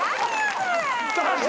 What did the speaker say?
それ！